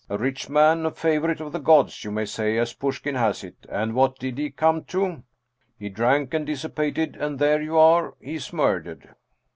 a rich man a favorite of the gods, you may say, as Pushkin has it, and what did he come to? He drank and dissipated andthere you are he's murdered."